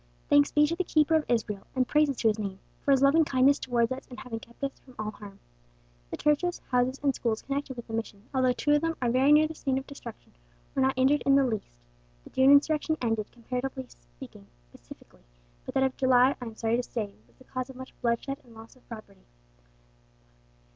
"Thanks be to the Keeper of Israel, and praises to His name, for His loving kindness towards us in having kept us from all harm. The churches, houses, and schools connected with the Mission, although two of them are very near the scene of destruction, were not injured in the least. The June insurrection ended, comparatively speaking, pacifically; but that of July, I am sorry to say, was the cause of much bloodshed and loss of property.